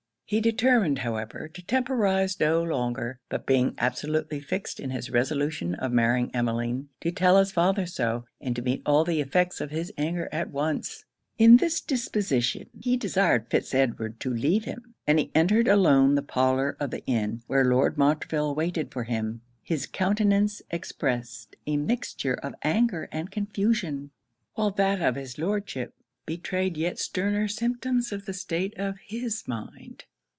He determined, however, to temporize no longer; but being absolutely fixed in his resolution of marrying Emmeline, to tell his father so, and to meet all the effects of his anger at once. In this disposition, he desired Fitz Edward to leave him; and he entered alone the parlour of the inn where Lord Montreville waited for him. His countenance expressed a mixture of anger and confusion; while that of his Lordship betrayed yet sterner symptoms of the state of his mind.